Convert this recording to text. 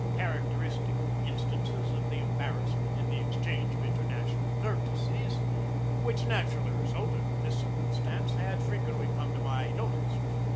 Characteristic in stances of the embarrassment, in the exchange of international courtesies, which naturally resulted from this circumstance had frequently come to my notice.